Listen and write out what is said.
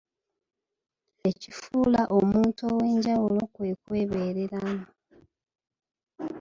Ekifuula omuntu ow’enjawulo kwe kwebeereramu.